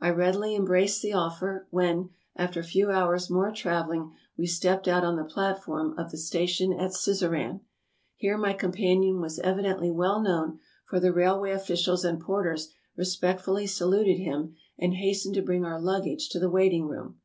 I readily embraced the offer, when, after a few hours' more traveling, we stepped out on the platform ot the station at Sizeran. Here my companion was evi dently well known, for the railway officials and porters re spectfully saluted him, and hastened to bring our luggage to the waiting room.